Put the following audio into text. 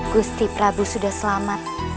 gusti prabu sudah selamat